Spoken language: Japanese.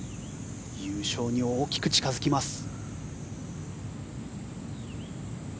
優勝に大きく近付きます。